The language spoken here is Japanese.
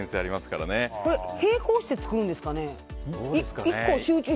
並行して作るんですかね。